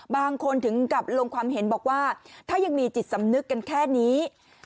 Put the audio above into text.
บางคนถึงกับลงความเห็นบอกว่าถ้ายังมีจิตสำนึกกันแค่นี้